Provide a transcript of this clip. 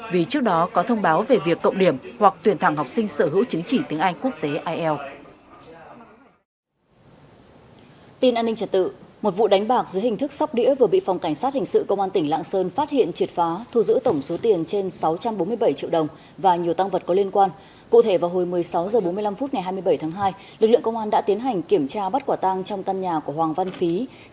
vì trước đó có thông báo về việc cộng điểm hoặc tuyển thẳng học sinh sở hữu chứng chỉ